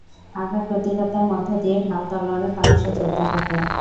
আঘাত-প্রতিঘাতের মধ্য দিয়ে ঢাল-তলোয়ারের তামাশা চলতে থাকে।